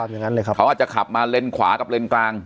อย่างนั้นเลยครับเขาอาจจะขับมาเลนขวากับเลนกลาง